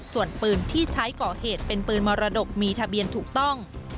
ส่วนปืนที่ใช้ก่อเหตุเป็นปืนมรดกมีทะเบียนถูกต้อง